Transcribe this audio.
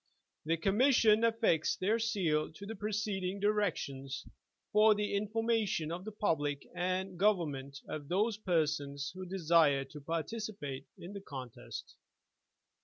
The Commission affix their seal to the preceding directions for the information of the public and government of those persons who desire to participate in the contest.